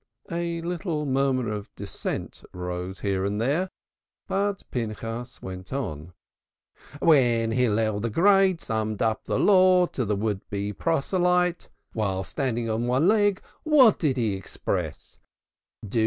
A little murmur of dissent rose here and there, but Pinchas went on. "When Hillel the Great summed up the law to the would be proselyte while standing on one leg, how did he express it?